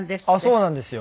そうなんですよ。